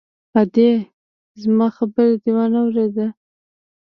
_ادې! زما خبره دې وانه ورېده!